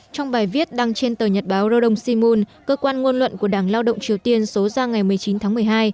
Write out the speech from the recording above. trong bài viết đăng trên tờ nhật báo rodong shimun cơ quan ngôn luận của đảng lao động triều tiên số ra ngày một mươi chín tháng một mươi hai